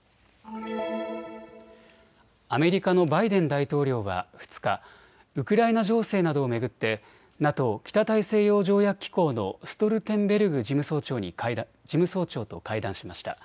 アメリカのバイデン大統領は２日、ウクライナ情勢などを巡ってＮＡＴＯ・北大西洋条約機構のストルテンベルグ事務総長と会談しました。